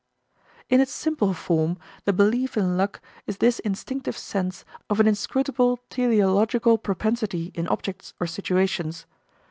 In its simple form the belief in luck is this instinctive sense of an inscrutable teleological propensity in objects or situations.